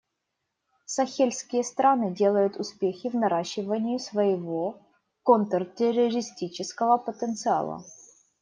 Сахельские страны делают успехи в наращивании своего контртеррористического потенциала.